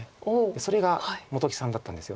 それが本木さんだったんです。